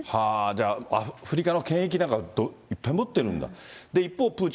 じゃあ、アフリカの権益なんかいっぱい持ってるんだ。